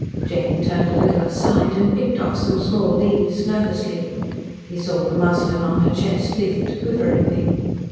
Jane turned a little aside, and picked off some small leaves, nervously. He saw the muslin on her chest lift quiveringly.